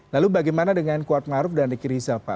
lalu bagaimana dengan kuat ma'ruf dan dekir riza pak